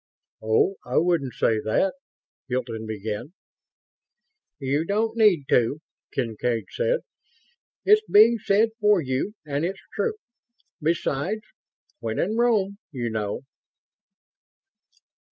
"Oh, I wouldn't say that ..." Hilton began. "You don't need to," Kincaid said. "It's being said for you and it's true. Besides, 'When in Rome,' you know."